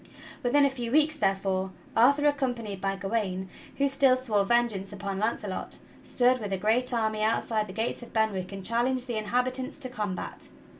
Within a few weeks, therefore, Arthur accompanied by Gawain, who still swore vengeance upon Launcelot, stood with a great army outside the gates of Ben wick and challenged the inhabitants to com bat.